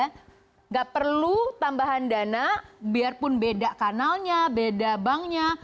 tidak perlu tambahan dana biarpun beda kanalnya beda banknya